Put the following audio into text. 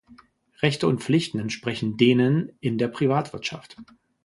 Rechte und Pflichten entsprechen denen in der Privatwirtschaft.